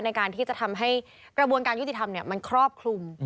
ในการที่จะทำให้กระบวนการยุติธรรมมันครอบคลุม